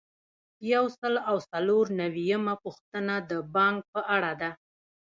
یو سل او څلور نوي یمه پوښتنه د بانک په اړه ده.